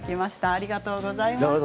ありがとうございます。